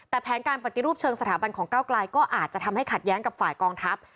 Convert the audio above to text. แต่แผนการปฏิรูปเชิงสถาบันของก้าวกลายก็อาจจะทำให้ขัดแย้งกับฝ่ายกองทัพ